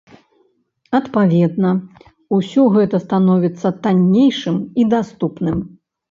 Адпаведна, усё гэта становіцца таннейшым і даступным.